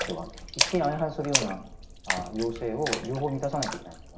一見相反するような要請を両方満たさないといけないと。